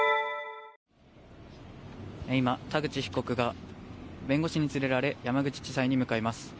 今、田口被告が弁護士に連れられ山口地裁に向かいます。